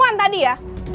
kenapa tadi ya